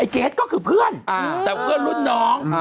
เกรทก็คือเพื่อนแต่เพื่อนรุ่นน้อง